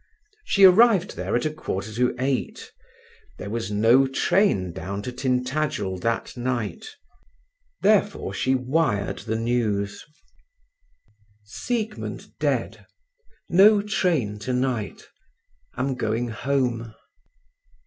She arrived there at a quarter to eight; there was no train down to Tintagel that night. Therefore she wired the news: "Siegmund dead. No train tonight. Am going home."